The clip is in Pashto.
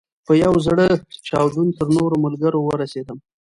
په یو زړه چاودون تر نورو ملګرو ورسېدم.